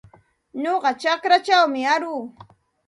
Nuqa chakraćhawmi aruu.